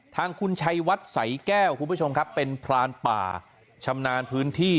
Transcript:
ทางคุณชัยวัดสายแก้วคุณผู้ชมครับเป็นพรานป่าชำนาญพื้นที่